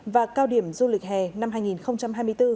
và cao điểm du lịch hè năm hai nghìn hai mươi bốn